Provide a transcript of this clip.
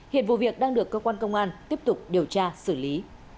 hiện vụ việc đang được cơ quan công an tiếp tục điều tra xử lý